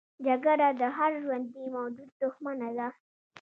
جګړه د هر ژوندي موجود دښمنه ده